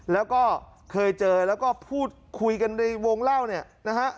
แล้วก็เคยเจอแล้วก็พูดคุยกันในวงเล่าเนี่ยนะฮะ